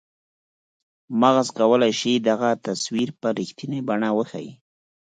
مغز کولای شي چې دغه تصویر په رښتنیې بڼه وښیي.